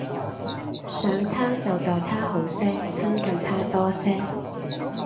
想他就待他好些，親近他多些